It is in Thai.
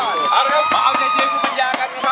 มาเอาใจเตียงคุณปัญญากันนะครับ